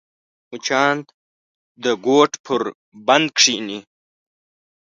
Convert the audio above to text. مچان د بوټ پر بند کښېني